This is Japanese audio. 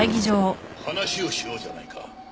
話をしようじゃないか。